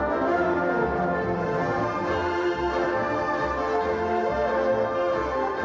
สวัสดีครับ